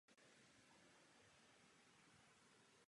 Německou kancléřku už v ulicích Atén a Dublinu vypískali.